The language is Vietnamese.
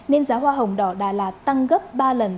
nên giá hoa hồng đỏ đã là tăng gấp ba lần